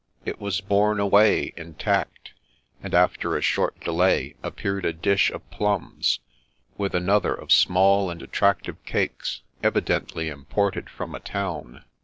It was borne away, intact, and after a short delay appeared a dish of plums, with another of small and attractive cakes, evi dently imported from a town.